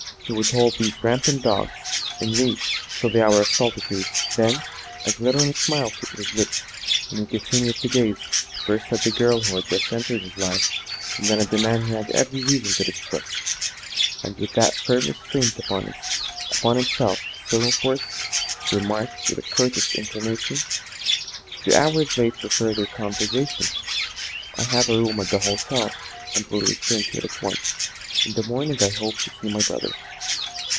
He would hold these rampant dogs in leash till the hour of solitude; then a glittering smile twisted his lips as he continued to gaze, first at the girl who had just entered his life, and then at the man he had every reason to distrust, and with that firm restraint upon himself still in full force, remarked, with a courteous inclination: "The hour is late for further conversation. I have a room at the hotel and will return to it at once. In the morning I hope to see my brother."